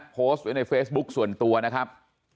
โพสต์ไว้ในเฟซบุ๊คส่วนตัวนะครับ